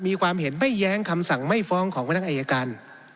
มีความเห็นไม่แย้งคำสั่งไม่ฟ้องของพนักอายการ